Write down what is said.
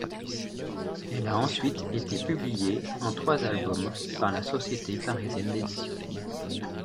Elle a ensuite été publiée en trois albums par la Société parisienne d'édition.